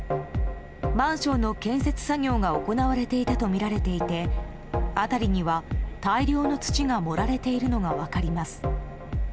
マンションの建設作業が行われていたとみられていて辺りには大量の土が盛られているのが分かります。